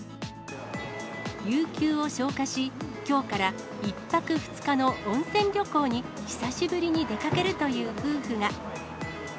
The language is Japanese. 有休を消化し、きょうから１泊２日の温泉旅行に久しぶりに出かけるという夫婦が。